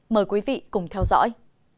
mời quý vị cùng theo dõi